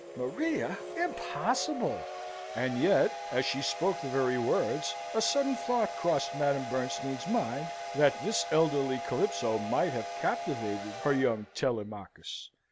"Maria! Impossible!" And yet, as she spoke the very words, a sudden thought crossed Madame Bernstein's mind, that this elderly Calypso might have captivated her young Telemachus.